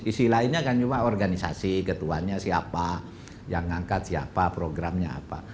isi lainnya kan cuma organisasi ketuanya siapa yang ngangkat siapa programnya apa